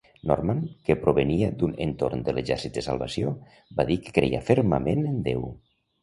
Norman, que provenia d'un entorn de l'Exèrcit de Salvació, va dir que creia fermament en Déu.